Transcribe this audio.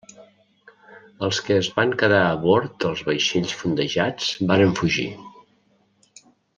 Els que es van quedar a bord dels vaixells fondejats varen fugir.